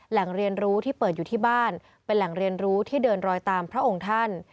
แหล่งเรียนรู้ที่เปิดอยู่ที่บ้านเป็นแหล่งเรียนรู้ที่เดินรอยตามพระองค์ท่าน